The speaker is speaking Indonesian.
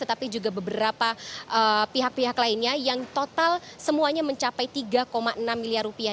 tetapi juga beberapa pihak pihak lainnya yang total semuanya mencapai tiga enam miliar rupiah